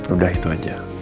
udah itu aja